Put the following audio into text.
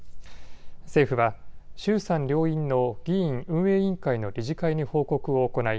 政府は衆参両院の議院運営委員会の理事会に報告を行い